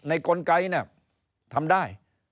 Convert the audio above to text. ในกลไกรทำได้